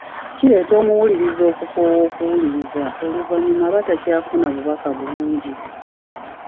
Kireetera omuwuliriza okukoowa okuwuliriza oluvannyuma aba takyafuna bubaka bulungi.